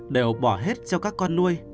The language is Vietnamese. đều bỏ hết cho các con nuôi